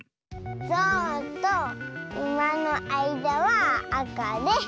ゾウとウマのあいだはあかで。